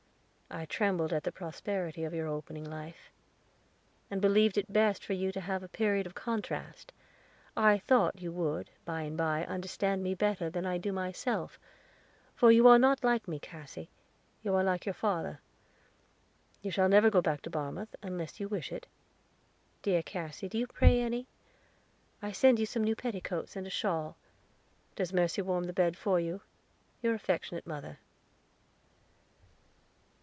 I trembled at the prosperity of your opening life, and believed it best for you to have a period of contrast. I thought you would, by and by, understand me better than I do myself; for you are not like me, Cassy, you are like your father. You shall never go back to Barmouth, unless you wish it. Dear Cassy, do you pray any? I send you some new petticoats, and a shawl. Does Mercy warm the bed for you? Your affectionate Mother."